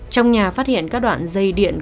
trong nhà phát hiện các đoạn dây điện